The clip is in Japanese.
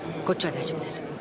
こっちは大丈夫です。